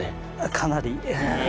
かなり。